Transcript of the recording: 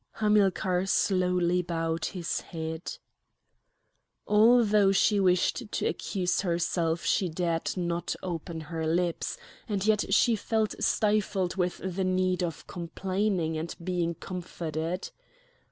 Hamilcar slowly bowed his head. Although she wished to accuse herself she dared not open her lips; and yet she felt stifled with the need of complaining and being comforted.